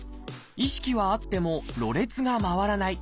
意識はあってもろれつがまわらない。